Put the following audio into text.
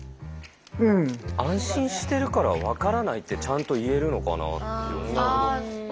安心してるから分からないってちゃんと言えるのかなって。